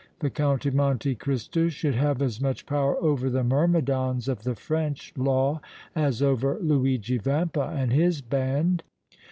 The Count of Monte Cristo should have as much power over the myrmidons of the French law as over Luigi Vampa and his band!"